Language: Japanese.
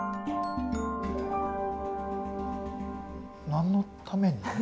何のために？